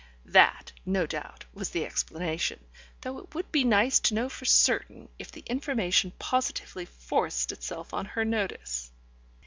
That, no doubt, was the explanation, though it would be nice to know for certain, if the information positively forced itself on her notice.